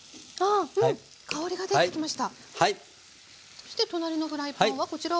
そして隣のフライパンはこちらは。